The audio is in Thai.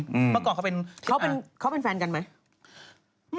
เมื่อก่อนเขาเป็นอ่าเขาเป็นแฟนกันไหม